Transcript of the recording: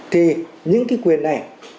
thì những cái quyền này